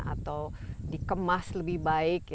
atau dikemas lebih baik